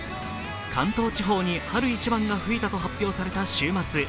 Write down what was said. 関東地方に春一番が吹いたと発表された週末。